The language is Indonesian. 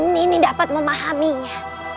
nini dapat memahaminya